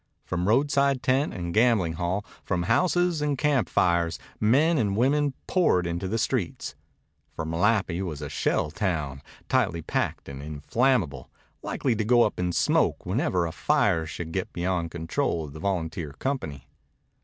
From roadside tent and gambling hall, from houses and camp fires, men and women poured into the streets. For Malapi was a shell town, tightly packed and inflammable, likely to go up in smoke whenever a fire should get beyond control of the volunteer company.